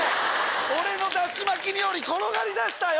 俺のダシ巻きにより転がりだしたよ！